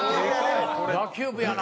野球部やな。